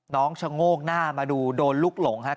ชะโงกหน้ามาดูโดนลุกหลงครับ